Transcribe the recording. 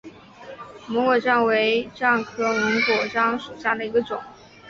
檬果樟为樟科檬果樟属下的一个种。